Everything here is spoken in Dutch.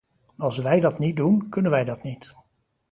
Als wij dat niet doen, kunnen wij dat niet.